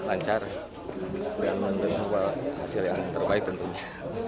lancar dengan menurut saya hasil yang terbaik tentunya